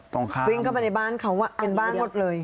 วิ่งเข้าไปในบ้านเขาเป็นบ้านหมดเลย